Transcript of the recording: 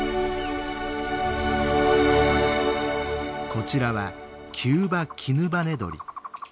こちらはキューバキヌバネドリ。